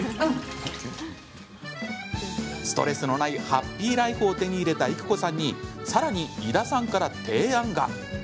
ストレスのないハッピーライフを手に入れた育子さんにさらに井田さんから提案が。